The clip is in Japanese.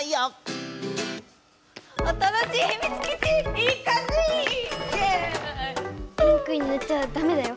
ピンクにぬっちゃダメだよ。